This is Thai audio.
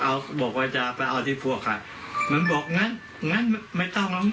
ไม่ต้องเวลาน่ะรีบออกเลยลิบออกจากห้อง